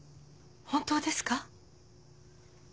本当ですか？